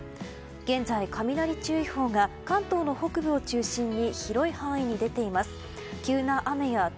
現在、雷注意報が関東の北部を中心に広い範囲に出ています。